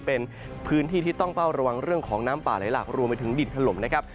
เป็นพื้นที่ที่ต้องเฝ้าระวังเรื่องของน้ำป่าไหลหลากรวมไปถึงดินถล่มนะครับ